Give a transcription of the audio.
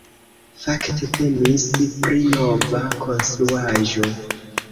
Fakte temis pri nova konstruaĵo.